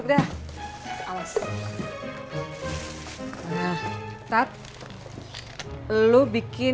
iya abis dari rumah babes